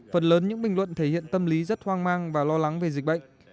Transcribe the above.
phần lớn những bình luận thể hiện tâm lý rất hoang mang và lo lắng về dịch bệnh